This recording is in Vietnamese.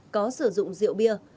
có sử dụng rượu bia